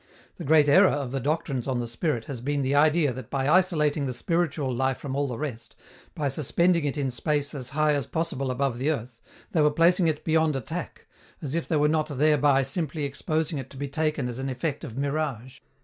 The great error of the doctrines on the spirit has been the idea that by isolating the spiritual life from all the rest, by suspending it in space as high as possible above the earth, they were placing it beyond attack, as if they were not thereby simply exposing it to be taken as an effect of mirage!